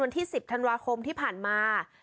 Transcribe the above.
วันที่สิบธนวาคมที่ผ่านมา